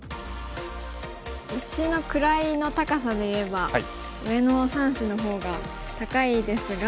石の位の高さで言えば上の３子の方が高いですが。